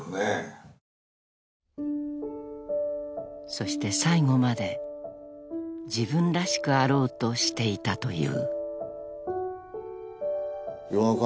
［そして最後まで自分らしくあろうとしていたという］